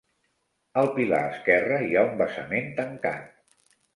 Al pilar esquerre hi ha un vessament tancat.